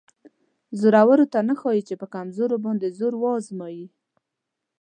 زورور ته نه ښایي چې په کمزوري باندې زور وازمایي.